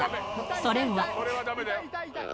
それは。